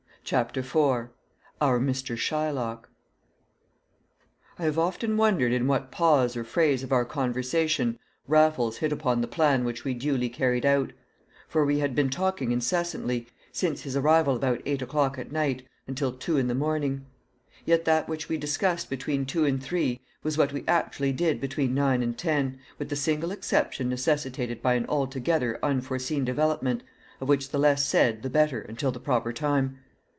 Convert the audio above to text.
CHAPTER IV "Our Mr. Shylock" I have often wondered in what pause or phase of our conversation Raffles hit upon the plan which we duly carried out; for we had been talking incessantly, since his arrival about eight o'clock at night, until two in the morning. Yet that which we discussed between two and three was what we actually did between nine and ten, with the single exception necessitated by an altogether unforeseen development, of which the less said the better until the proper time.